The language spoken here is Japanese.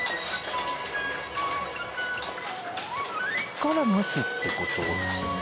ここから蒸すって事ですよね？